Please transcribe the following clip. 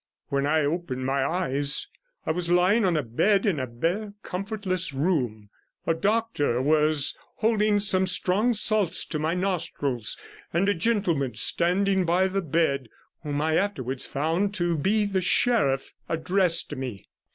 When I opened my eyes I was lying on a bed in a bare, comfortless room. A doctor was holding some strong salts to my nostrils, and a gentleman standing by the bed, whom I afterwards found to be the sheriff, addressed me.